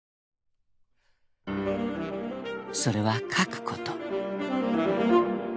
［それは書くこと］